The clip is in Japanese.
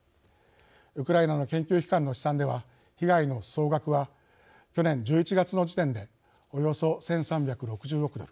ウクライナの研究機関の試算では被害の総額は去年１１月の時点でおよそ１３６０億ドル。